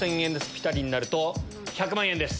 ピタリになると１００万円です。